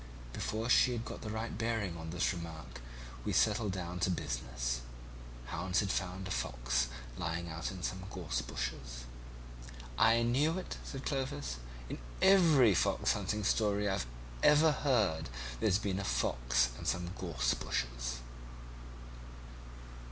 Before she had got the right bearings of this remark we had settled down to business; hounds had found a fox lying out in some gorse bushes." "I knew it," said Clovis, "in every fox hunting story that I've ever heard there's been a fox and some gorse bushes."